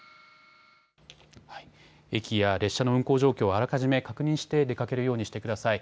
駅や列車の運行状況をあらかじめ確認して出かけるようにしてください。